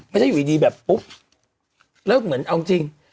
ไม่ใช่อยู่ดีแบบปุ๊บแล้วเหมือนเอาจริง